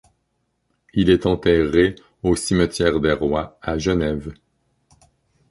Il est enterré au Cimetière des Rois à Genève.